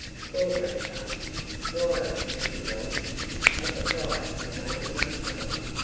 Poor grandfather! Wild, he was, at the fright I'd made of myself.